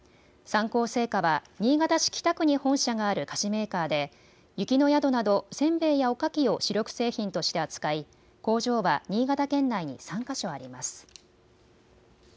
三幸製菓は新潟市北区に本社がある菓子メーカーで雪の宿などせんべいやおかきを主力製品として扱い工場は新潟県内に３か所あります。